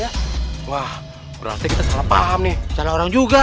ya wah rasanya bapak yang paham nih orang juga